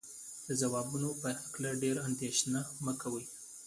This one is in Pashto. د ځوابونو په هکله ډېره اندېښنه مه کوئ.